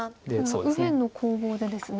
右辺の攻防でですね